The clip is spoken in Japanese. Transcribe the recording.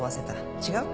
違う？